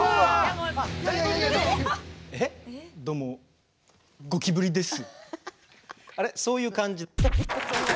どうも、ゴキブリです。